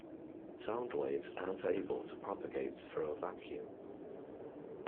Sound waves aren't able to propagate through a vacuum.